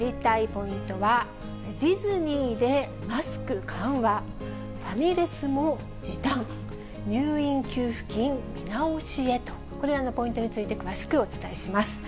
ポイントは、ディズニーでマスク緩和、ファミレスも時短、入院給付金見直しへと、これらのポイントについて詳しくお伝えします。